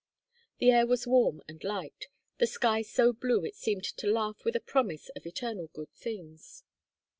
The air was warm and light, the sky so blue it seemed to laugh with a promise of eternal good things.